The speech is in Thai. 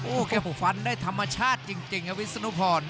โอ้โหแกฟันได้ธรรมชาติจริงครับวิศนุพร